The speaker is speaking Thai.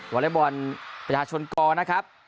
อเล็กบอลประชาชนกนะครับ